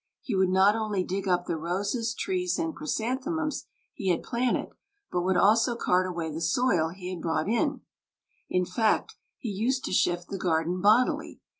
He would not only dig up the roses, trees, and chrysanthemums he had planted, but would also cart away the soil he had brought in; in fact, he used to shift the garden bodily.